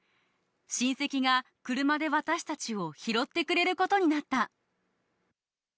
親戚が車で私たちを拾ってくれることになった。